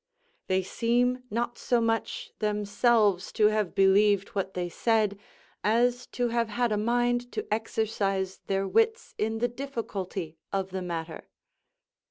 _ "They seem not so much themselves to have believed what they said, as to have had a mind to exercise their wits in the difficulty of the matter."